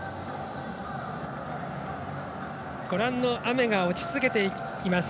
ご覧の雨が落ち続けています。